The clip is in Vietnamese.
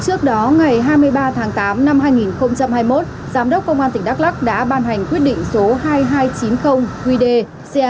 trước đó ngày hai mươi ba tháng tám năm hai nghìn hai mươi một giám đốc công an tỉnh đắk lắc đã ban hành quyết định số hai nghìn hai trăm chín mươi qd cat về việc ban hành quy định tiếp nhận